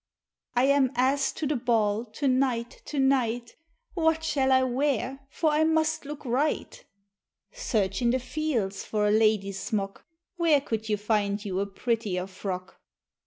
"I am asked to the ball to night, to night; What shall I wear, for I must look right?" "Search in the fields for a lady's smock; Where could you find you a prettier frock?"